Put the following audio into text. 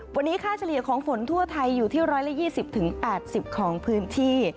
วันนี้ค่าเฉลี่ยของฝนทั่วไทยอยู่ที่๑๒๐๘๐ของพื้นที่